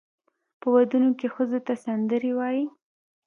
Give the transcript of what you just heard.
په ودونو کې ښځو ته سندرې وایي.